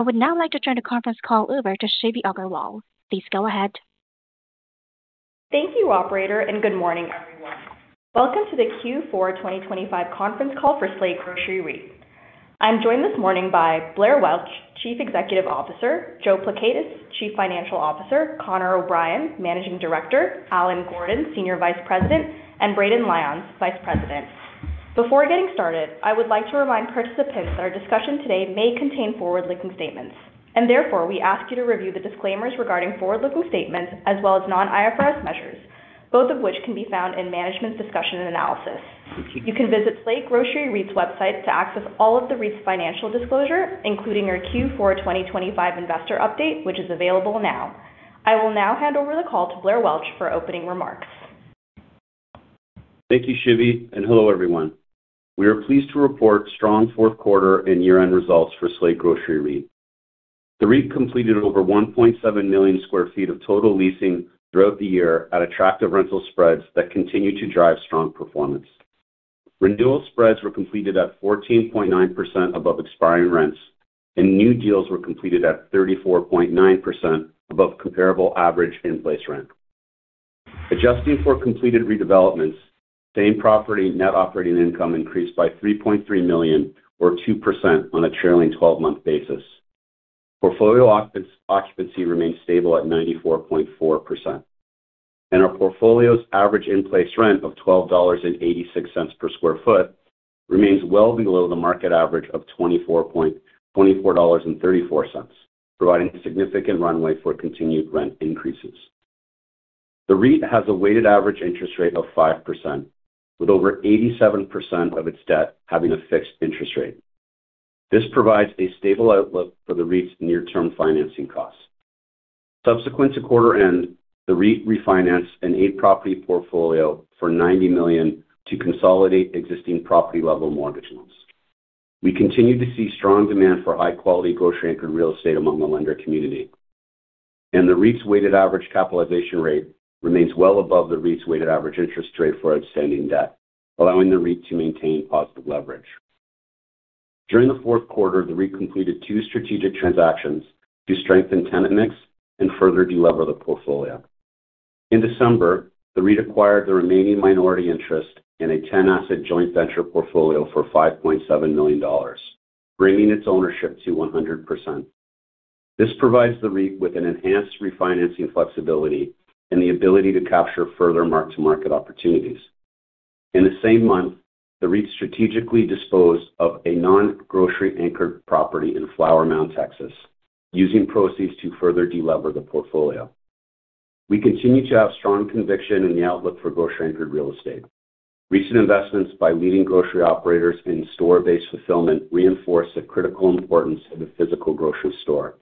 I would now like to turn the conference call over to Shivi Agarwal. Please go ahead. Thank you, operator, and good morning, everyone. Welcome to the Q4 2025 Conference Call for Slate Grocery REIT. I'm joined this morning by Blair Welch, Chief Executive Officer, Joe Pleckaitis, Chief Financial Officer, Connor O'Brien, Managing Director, Allen Gordon, Senior Vice President, and Braden Lyons, Vice President. Before getting started, I would like to remind participants that our discussion today may contain forward-looking statements, and therefore we ask you to review the disclaimers regarding forward-looking statements as well as non-IFRS measures, both of which can be found in management's discussion and analysis. You can visit Slate Grocery REIT's website to access all of the REIT's financial disclosure, including our Q4 2025 investor update, which is available now. I will now hand over the call to Blair Welch for opening remarks. Thank you, Shivi, and hello, everyone. We are pleased to report strong fourth quarter and year-end results for Slate Grocery REIT. The REIT completed over 1.7 million sq ft of total leasing throughout the year at attractive rental spreads that continue to drive strong performance. Renewal spreads were completed at 14.9% above expiring rents, and new deals were completed at 34.9% above comparable average in-place rent. Adjusting for completed redevelopments, same property net operating income increased by $3.3 million, or 2%, on a trailing 12-month basis. Portfolio occupancy remained stable at 94.4%, and our portfolio's average in-place rent of $12.86 per sq ft remains well below the market average of $24.24, providing significant runway for continued rent increases. The REIT has a weighted average interest rate of 5%, with over 87% of its debt having a fixed interest rate. This provides a stable outlook for the REIT's near-term financing costs. Subsequent to quarter-end, the REIT refinanced an eight-property portfolio for $90 million to consolidate existing property-level mortgage loans. We continue to see strong demand for high-quality grocery-anchored real estate among the lender community, and the REIT's weighted average capitalization rate remains well above the REIT's weighted average interest rate for outstanding debt, allowing the REIT to maintain positive leverage. During the fourth quarter, the REIT completed two strategic transactions to strengthen tenant mix and further delever the portfolio. In December, the REIT acquired the remaining minority interest in a 10-asset joint venture portfolio for $5.7 million, bringing its ownership to 100%. This provides the REIT with an enhanced refinancing flexibility and the ability to capture further mark-to-market opportunities. In the same month, the REIT strategically disposed of a non-grocery-anchored property in Flower Mound, Texas, using proceeds to further delever the portfolio. We continue to have strong conviction in the outlook for grocery-anchored real estate. Recent investments by leading grocery operators in store-based fulfillment reinforce the critical importance of a physical grocery store.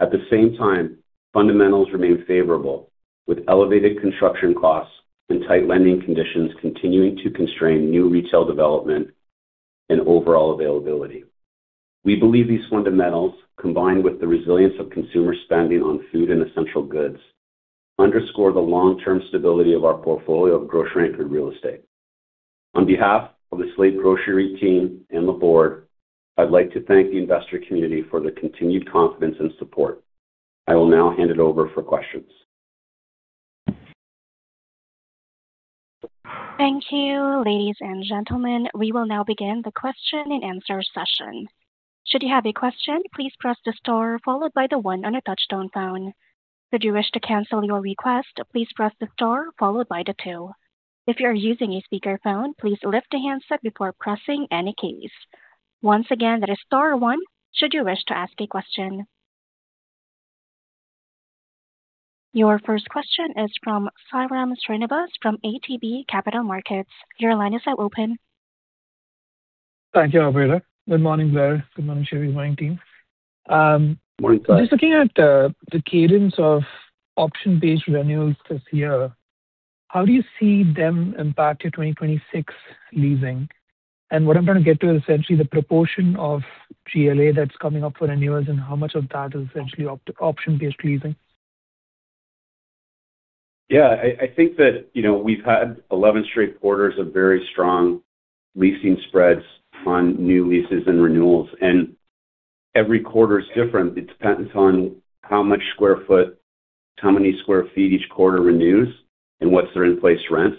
At the same time, fundamentals remain favorable, with elevated construction costs and tight lending conditions continuing to constrain new retail development and overall availability. We believe these fundamentals, combined with the resilience of consumer spending on food and essential goods, underscore the long-term stability of our portfolio of grocery-anchored real estate. On behalf of the Slate Grocery REIT team and the board, I'd like to thank the investor community for their continued confidence and support. I will now hand it over for questions. Thank you, ladies and gentlemen. We will now begin the question-and-answer session. Should you have a question, please press the star followed by the one on your touch-tone phone. Should you wish to cancel your request, please press the star followed by the two. If you are using a speakerphone, please lift the handset before pressing any keys. Once again, that is star one should you wish to ask a question. Your first question is from Sairam Srinivas from ATB Capital Markets. Your line is now open. Thank you, Operator. Good morning, Blair. Good morning, Shivi, and morning, team. Just looking at the cadence of option-based renewals this year, how do you see them impact your 2026 leasing? What I'm trying to get to is essentially the proportion of GLA that's coming up for renewals and how much of that is essentially option-based leasing. Yeah. I think that we've had 11 straight quarters of very strong leasing spreads on new leases and renewals. Every quarter is different. It depends on how much square foot, how many square feet each quarter renews, and what's their in-place rent.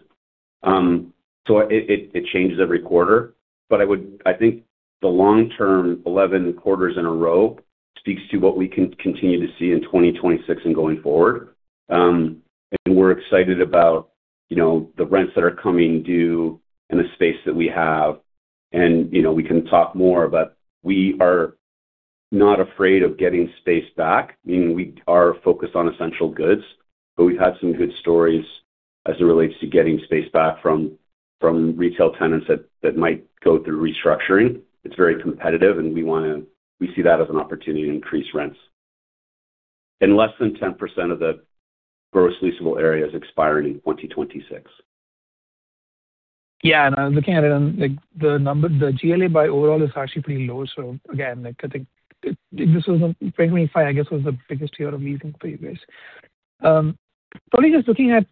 It changes every quarter. But I think the long-term 11 quarters in a row speaks to what we can continue to see in 2026 and going forward. And we're excited about the rents that are coming due in the space that we have. And we can talk more, but we are not afraid of getting space back. I mean, we are focused on essential goods, but we've had some good stories as it relates to getting space back from retail tenants that might go through restructuring. It's very competitive, and we see that as an opportunity to increase rents. Less than 10% of the Gross Leasable Area is expiring in 2026. Yeah. And as a candidate, the GLA by overall is actually pretty low. So again, I think this was 2025, I guess, was the biggest year of leasing for you guys. Probably just looking at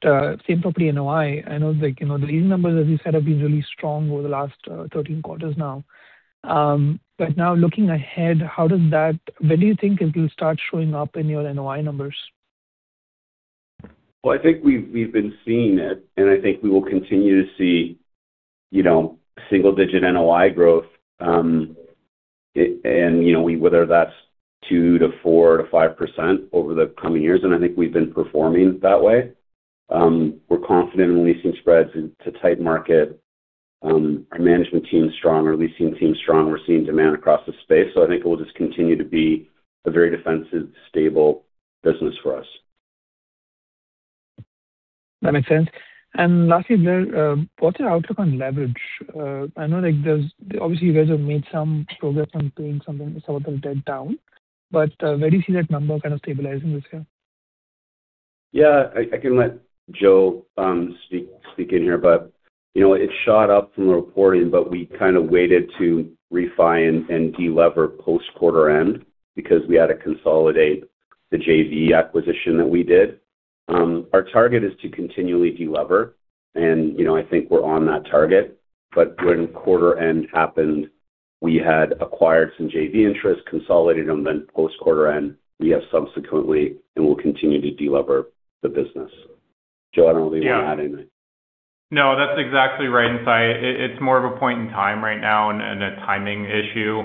same property NOI, I know the leasing numbers, as you said, have been really strong over the last 13 quarters now. But now looking ahead, when do you think it will start showing up in your NOI numbers? Well, I think we've been seeing it, and I think we will continue to see single-digit NOI growth, whether that's 2%-5% over the coming years. I think we've been performing that way. We're confident in leasing spreads to tight market. Our management team's strong. Our leasing team's strong. We're seeing demand across the space. So I think it will just continue to be a very defensive, stable business for us. That makes sense. Lastly, Blair, what's your outlook on leverage? I know obviously, you guys have made some progress on paying some of the debt down. Where do you see that number kind of stabilizing this year? Yeah. I can let Joe speak in here. But it shot up from the reporting, but we kind of waited to refine and delever post-quarter-end because we had to consolidate the JV acquisition that we did. Our target is to continually delever, and I think we're on that target. But when quarter-end happened, we had acquired some JV interest, consolidated them, then post-quarter-end, we have subsequently, and we'll continue to delever the business. Joe, I don't know if you want to add anything. Yeah. No, that's exactly right, and it's more of a point in time right now and a timing issue.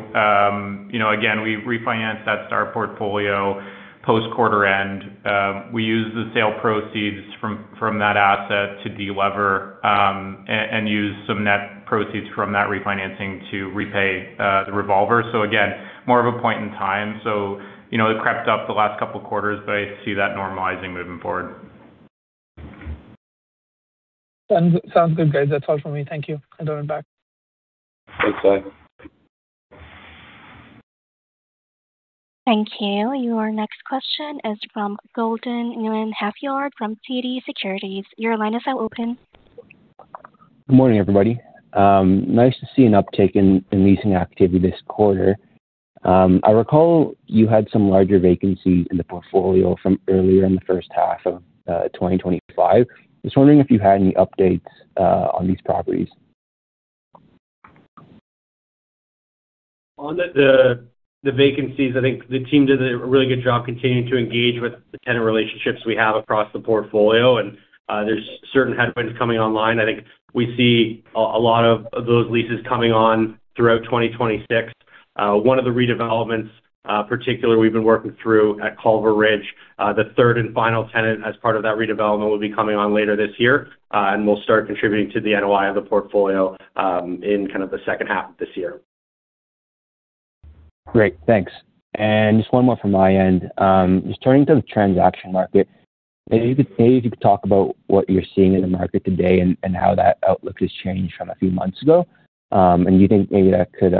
Again, we refinanced that star portfolio post-quarter-end. We used the sale proceeds from that asset to delever and used some net proceeds from that refinancing to repay the revolver. So again, more of a point in time. So it crept up the last couple of quarters, but I see that normalizing moving forward. Sounds good, guys. That's all from me. Thank you. I'll turn it back. Thanks, Sairam. Thank you. Your next question is from Golden Nguyen from TD Securities. Your line is now open. Good morning, everybody. Nice to see an uptake in leasing activity this quarter. I recall you had some larger vacancies in the portfolio from earlier in the first half of 2025. Just wondering if you had any updates on these properties. On the vacancies, I think the team did a really good job continuing to engage with the tenant relationships we have across the portfolio. There's certain headwinds coming online. I think we see a lot of those leases coming on throughout 2026. One of the redevelopments, particularly, we've been working through at Culver Ridge, the third and final tenant as part of that redevelopment will be coming on later this year, and we'll start contributing to the NOI of the portfolio in kind of the second half of this year. Great. Thanks. Just one more from my end. Just turning to the transaction market, maybe if you could talk about what you're seeing in the market today and how that outlook has changed from a few months ago, and do you think maybe that could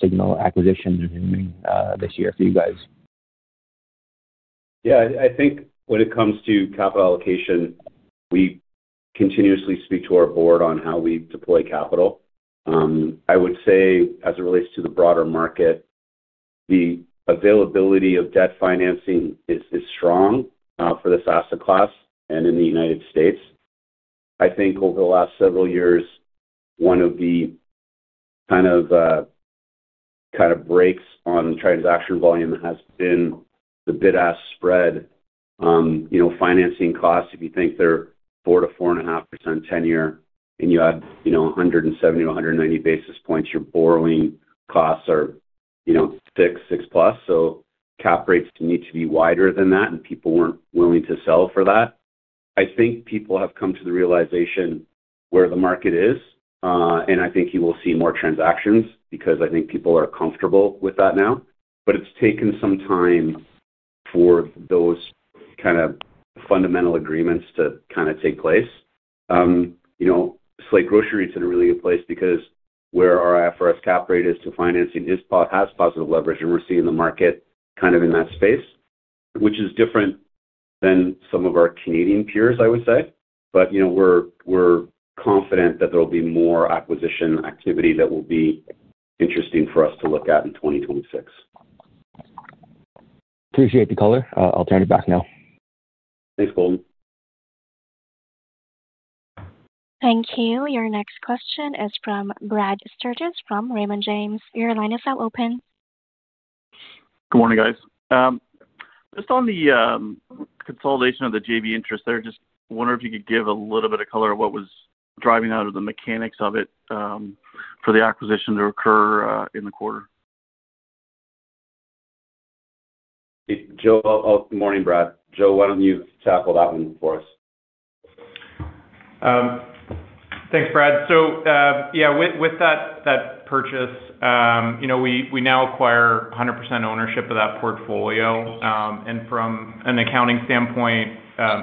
signal acquisitions resuming this year for you guys? Yeah. I think when it comes to capital allocation, we continuously speak to our board on how we deploy capital. I would say, as it relates to the broader market, the availability of debt financing is strong for this asset class and in the United States. I think over the last several years, one of the kind of breaks on transaction volume has been the bid-ask spread financing costs. If you think they're 4%-4.5% 10-year and you add 170-190 basis points, your borrowing costs are six, six plus. So cap rates need to be wider than that, and people weren't willing to sell for that. I think people have come to the realization where the market is, and I think you will see more transactions because I think people are comfortable with that now. But it's taken some time for those kind of fundamental agreements to kind of take place. Slate Grocery REIT's in a really good place because where our IFRS cap rate is to financing has positive leverage, and we're seeing the market kind of in that space, which is different than some of our Canadian peers, I would say. But we're confident that there'll be more acquisition activity that will be interesting for us to look at in 2026. Appreciate the caller. I'll turn it back now. Thanks, Golden. Thank you. Your next question is from Brad Sturges from Raymond James. Your line is now open. Good morning, guys. Just on the consolidation of the JV interest there, just wondering if you could give a little bit of color of what was driving out of the mechanics of it for the acquisition to occur in the quarter? Joe, morning, Brad. Joe, why don't you tackle that one for us? Thanks, Brad. So yeah, with that purchase, we now acquire 100% ownership of that portfolio. From an accounting standpoint,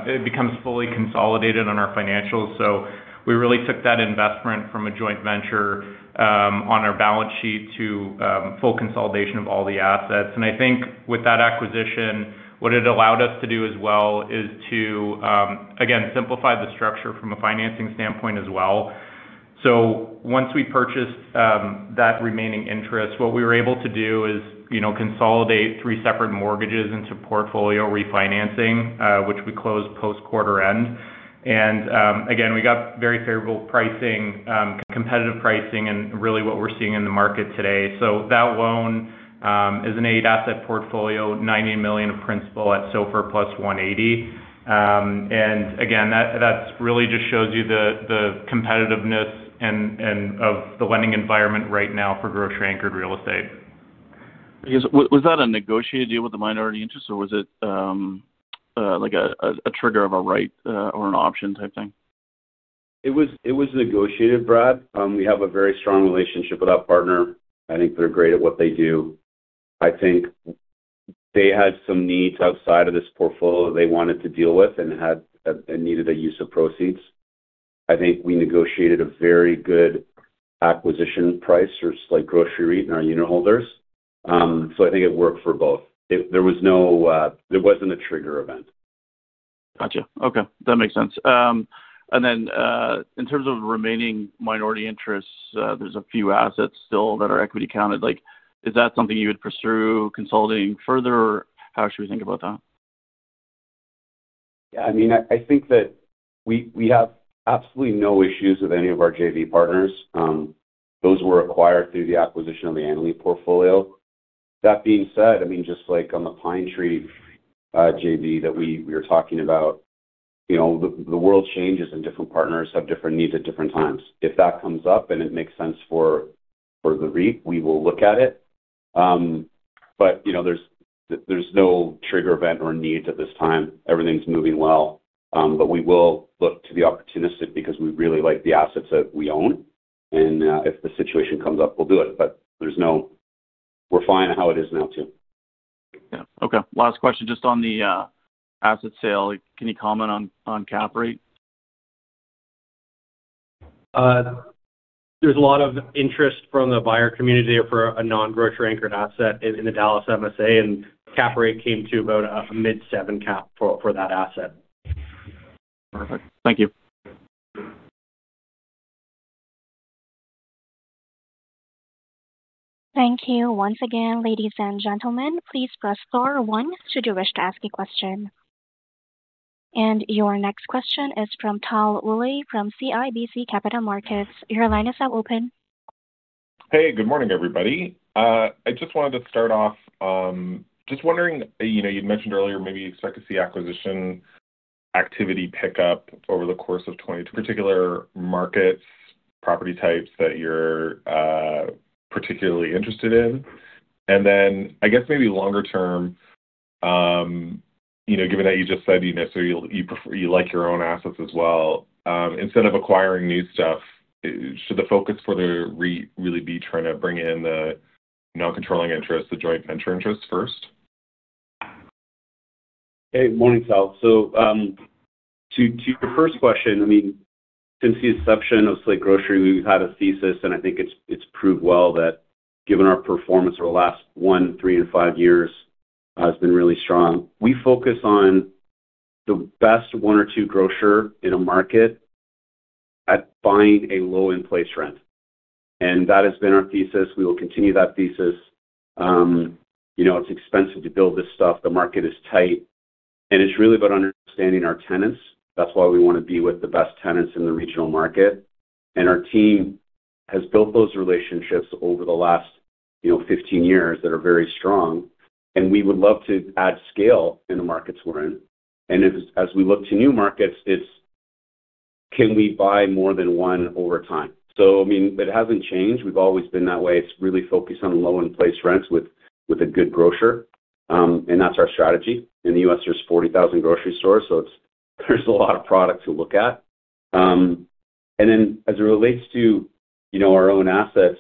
it becomes fully consolidated on our financials. So we really took that investment from a joint venture on our balance sheet to full consolidation of all the assets. And I think with that acquisition, what it allowed us to do as well is to, again, simplify the structure from a financing standpoint as well. So once we purchased that remaining interest, what we were able to do is consolidate three separate mortgages into portfolio refinancing, which we closed post-quarter-end. And again, we got very favorable pricing, competitive pricing, and really what we're seeing in the market today. So that loan is an 8-asset portfolio, $90 million of principal at SOFR plus 180. Again, that really just shows you the competitiveness of the lending environment right now for grocery-anchored real estate. Was that a negotiated deal with the minority interest, or was it a trigger of a right or an option type thing? It was negotiated, Brad. We have a very strong relationship with our partner. I think they're great at what they do. I think they had some needs outside of this portfolio that they wanted to deal with and needed a use of proceeds. I think we negotiated a very good acquisition price for Slate Grocery REIT and our unit holders. So I think it worked for both. There wasn't a trigger event. Gotcha. Okay. That makes sense. And then in terms of remaining minority interests, there's a few assets still that are equity-counted. Is that something you would pursue consolidating further, or how should we think about that? Yeah. I mean, I think that we have absolutely no issues with any of our JV partners. Those were acquired through the acquisition of the annuity portfolio. That being said, I mean, just like on the Pine Tree JV that we were talking about, the world changes, and different partners have different needs at different times. If that comes up and it makes sense for the REIT, we will look at it. But there's no trigger event or need at this time. Everything's moving well. But we will look to the opportunistic because we really like the assets that we own. And if the situation comes up, we'll do it. But we're fine how it is now too. Yeah. Okay. Last question. Just on the asset sale, can you comment on cap rate? There's a lot of interest from the buyer community for a non-grocery-anchored asset in the Dallas MSA, and cap rate came to about a mid-seven cap for that asset. Perfect. Thank you. Thank you. Once again, ladies and gentlemen, please press star one should you wish to ask a question. And your next question is from Tal Woolley from CIBC Capital Markets. Your line is now open. Hey, good morning, everybody. I just wanted to start off just wondering, you'd mentioned earlier, maybe expect to see acquisition activity pick up over the course of particular markets, property types that you're particularly interested in. And then I guess maybe longer term, given that you just said so you like your own assets as well, instead of acquiring new stuff, should the focus for the REIT really be trying to bring in the non-controlling interest, the joint venture interest first? Hey, morning, Tal. So to your first question, I mean, since the inception of Slate Grocery, we've had a thesis, and I think it's proved well that given our performance over the last one, three, and five years has been really strong, we focus on the best one or two grocer in a market at buying a low-in-place rent. And that has been our thesis. We will continue that thesis. It's expensive to build this stuff. The market is tight. And it's really about understanding our tenants. That's why we want to be with the best tenants in the regional market. And our team has built those relationships over the last 15 years that are very strong. And we would love to add scale in the markets we're in. And as we look to new markets, it's, "Can we buy more than one over time?" So I mean, it hasn't changed. We've always been that way. It's really focused on low-in-place rents with a good grocer. And that's our strategy. In the U.S., there's 40,000 grocery stores, so there's a lot of products to look at. And then as it relates to our own assets,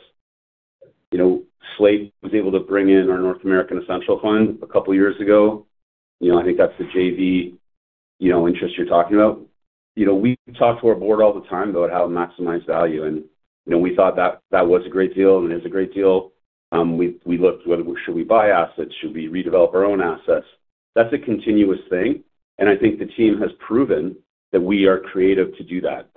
Slate was able to bring in our North American Essential Fund a couple of years ago. I think that's the JV interest you're talking about. We talk to our board all the time about how to maximize value. And we thought that was a great deal and is a great deal. We looked at whether should we buy assets? Should we redevelop our own assets? That's a continuous thing. And I think the team has proven that we are creative to do that.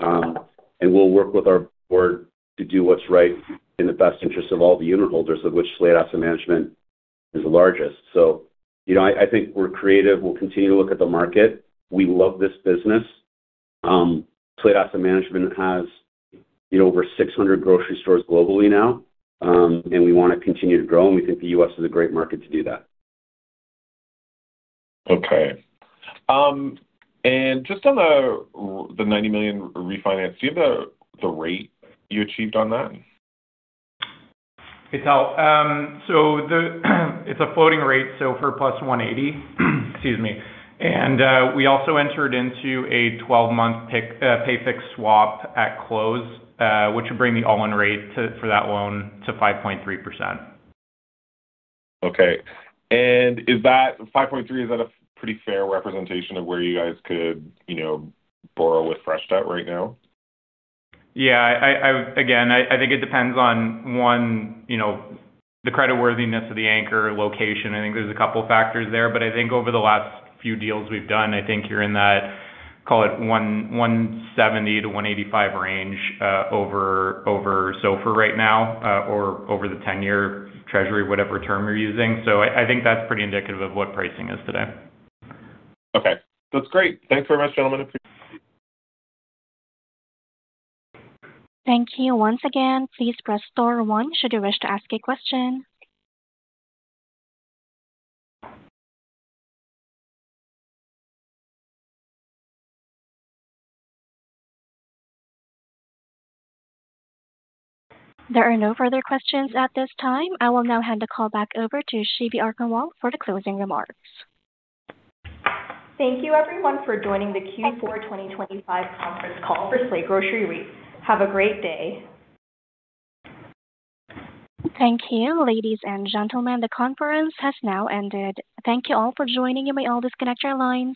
We'll work with our board to do what's right in the best interest of all the unit holders, of which Slate Asset Management is the largest. I think we're creative. We'll continue to look at the market. We love this business. Slate Asset Management has over 600 grocery stores globally now, and we want to continue to grow. We think the U.S. is a great market to do that. Okay. And just on the $90 million refinance, do you have the rate you achieved on that? Hey, Tal. So it's a floating rate, SOFR plus 180, excuse me. And we also entered into a 12-month pay-fixed swap at close, which would bring the all-in rate for that loan to 5.3%. Okay. And is that 5.3, is that a pretty fair representation of where you guys could borrow with fresh debt right now? Yeah. Again, I think it depends on, one, the creditworthiness of the anchor, location. I think there's a couple of factors there. But I think over the last few deals we've done, I think you're in that, call it, 170-185 range over SOFR right now or over the ten-year Treasury, whatever term you're using. So I think that's pretty indicative of what pricing is today. Okay. That's great. Thanks very much, gentlemen. Thank you. Once again, please press star one should you wish to ask a question. There are no further questions at this time. I will now hand the call back over to Shivi Agarwal for the closing remarks. Thank you, everyone, for joining the Q4 2025 Conference Call for Slate Grocery REIT. Have a great day. Thank you, ladies and gentlemen. The conference has now ended. Thank you all for joining. You may all disconnect your lines.